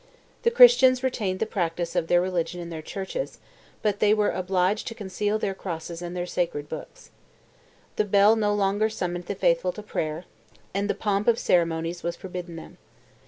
The Christians retained the practice of their religion in their churches, but they were obliged to conceal their crosses and their sacred books. The bell no longer summoned the faithful to prayer; and the pomp of ceremonies was forbidden them.